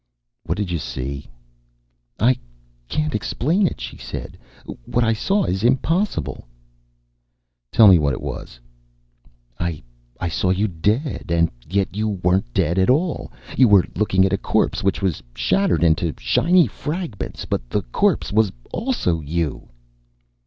"What did you see?" "I can't explain it," she said. "What I saw is impossible." "Tell me what it was." "I saw you dead. And yet, you weren't dead at all. You were looking at a corpse, which was shattered into shiny fragments. But the corpse was also you."